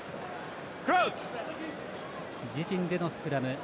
自陣でのスクラム。